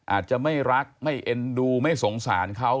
อาจจะไม่รักไม่เอ็นดูไม่สงสารเขา